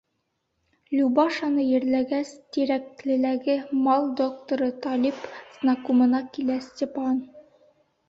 Любашаны ерләгәс, Тирәклеләге «мал докторы» Талип знакумына килә Степан.